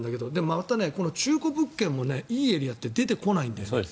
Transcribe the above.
また、中古物件もいいエリアって出てこないんだよね。